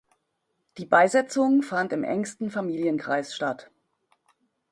Die Beisetzung fand im engsten Familienkreis statt.